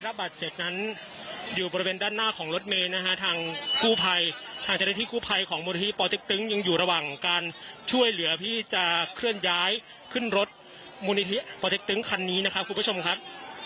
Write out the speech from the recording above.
บาดเจ็บนั้นอยู่บริเวณด้านหน้าของรถเมย์นะฮะทางกู้ภัยทางเจ้าหน้าที่กู้ภัยของมูลที่ปเต็กตึงยังอยู่ระหว่างการช่วยเหลือที่จะเคลื่อนย้ายขึ้นรถมูลนิธิปอเต็กตึงคันนี้นะครับคุณผู้ชมครับ